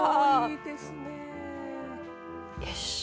よし！